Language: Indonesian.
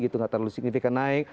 tidak terlalu signifikan naik